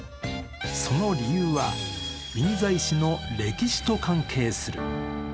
その理由は印西市の歴史と関係する。